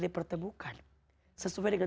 dipertemukan sesuai dengan